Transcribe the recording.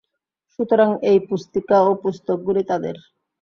সুতরাং এই পুস্তিকা ও পুস্তকগুলি তাদের।